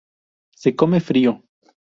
Se come frío.